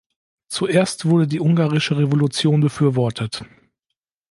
Zuerst wurde die ungarische Revolution befürwortet.